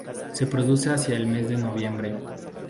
Se reproduce hacia el mes de noviembre.